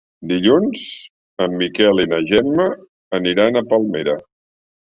Dilluns en Miquel i na Gemma aniran a Palmera.